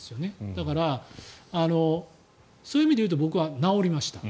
だからそういう意味で言うと僕は治りました。